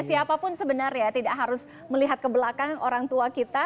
siapapun sebenarnya tidak harus melihat ke belakang orang tua kita